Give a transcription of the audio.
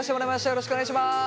よろしくお願いします。